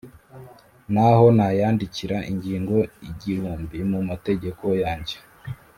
N'aho nayandikira ingingo igihumbi mu mategeko yanjye,